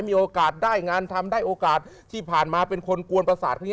มีโอกาสได้งานทำได้โอกาสที่ผ่านมาเป็นคนกวนประสาทอย่างนี้